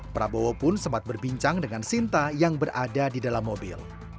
prabowo pun sempat berbincang dengan sinta yang berada di dalam mobil